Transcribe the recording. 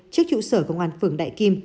trước trụ sở công an phường đại kim